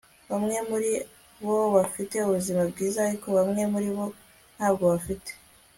bamwe muribo bafite ubuzima bwiza, ariko bamwe muribo ntabwo bafite